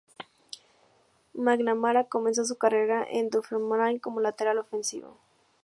McNamara comenzó su carrera en Dunfermline como lateral ofensivo.